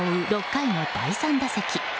６回の第３打席。